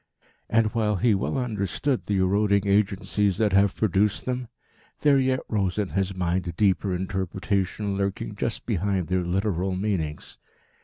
And, while he well understood the eroding agencies that have produced them, there yet rose in his mind a deeper interpretation lurking just behind their literal meanings.